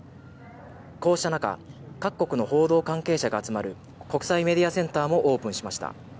こうした中、各国の報道関係者が集まる国際メディアセンターもオープンしました。